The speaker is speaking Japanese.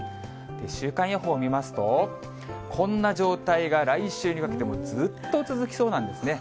週間予報見ますと、こんな状態が来週にかけてもずっと続きそうなんですね。